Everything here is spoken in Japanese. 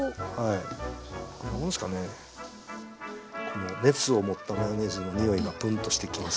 この熱を持ったマヨネーズの匂いがプンとしてきます。